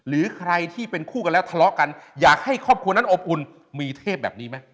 หรือใครที่เป็นคู่กันแล้วทะเลาะกันอยากให้ครอบครัวนั้นอบอุ่นมีเทพแบบนี้ไหม